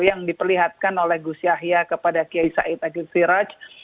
yang diperlihatkan oleh gus yahya kepada kiai said ajud siraj